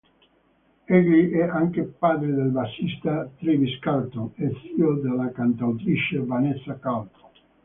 Egli è anche padre del bassista Travis Carlton e zio della cantautrice Vanessa Carlton.